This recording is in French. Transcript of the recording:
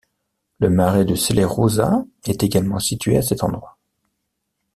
Le marais de Celeruša est également situé à cet endroit.